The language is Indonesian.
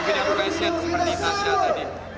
di bidang kresen seperti nasa tadi